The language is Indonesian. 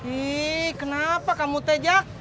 ih kenapa kamu teh jak